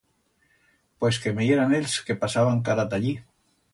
Pues que me yeran ells, que pasaban cara ta allí.